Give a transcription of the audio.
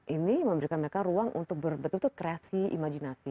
ini memberikan mereka ruang untuk berbentuk kreasi imajinasi